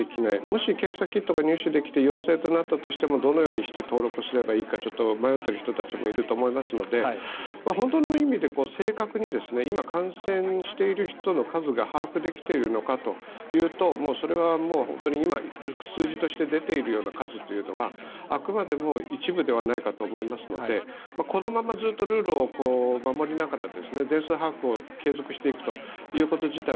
もし、検査キットが入手できて陽性となったとしてもどのようにして登録すればいいかちょっと迷っている人たちもいると思いますので本当の意味で正確に今、感染している人の数が把握できているのかというとそれはもう今、数字として出ている数というのはあくまで一部ではないかと思いますのでこのままずっとルールを守りながら、全数把握を継続していくということ自体